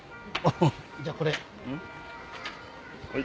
はい。